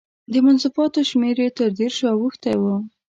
د مصنفاتو شمېر یې تر دېرشو اوښتی و.